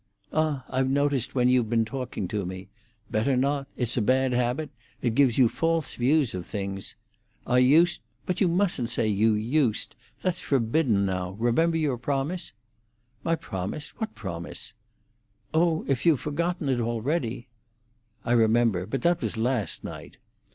"Ah, I've noticed when you've been talking to me. Better not! It's a bad habit; it gives you false views of things. I used——" "But you mustn't say you used! That's forbidden now. Remember your promise!" "My promise? What promise?" "Oh, if you've forgotten already." "I remember. But that was last night."